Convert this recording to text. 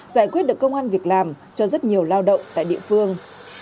giải quyết được công an việc làm cho rất nhiều lao động tại địa phương